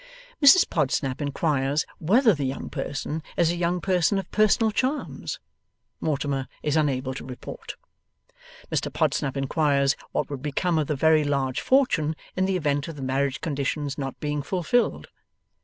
Mrs Podsnap inquires whether the young person is a young person of personal charms? Mortimer is unable to report. Mr Podsnap inquires what would become of the very large fortune, in the event of the marriage condition not being fulfilled?